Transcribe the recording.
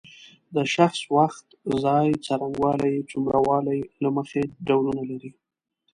د شخص وخت ځای څرنګوالی څومره والی له مخې ډولونه لري.